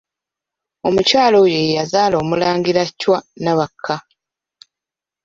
Omukyala oyo ye yazaala Omulangira Chwa Nabakka.